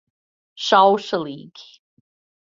Šaušalīgi.